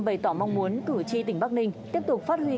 bày tỏ mong muốn cử tri tỉnh bắc ninh tiếp tục phát huy